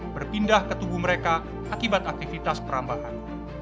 berpindah ke tubuh mereka akibat aktivitas perambahan